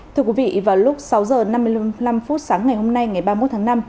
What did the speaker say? thưa quý vị vào lúc sáu h năm mươi năm phút sáng ngày hôm nay ngày ba mươi một tháng năm